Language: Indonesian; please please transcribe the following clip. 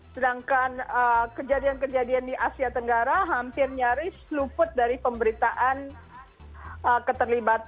sedangkan kejadian kejadian di asia tenggara hampir nyaris luput dari pemberitaan keterlibatan